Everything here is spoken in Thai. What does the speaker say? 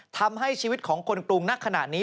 ทำให้ชีวิตของคนกรุงณขณะนี้